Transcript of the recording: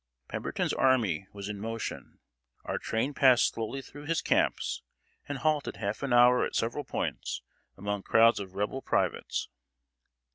Pemberton's army was in motion. Our train passed slowly through his camps, and halted half an hour at several points, among crowds of Rebel privates.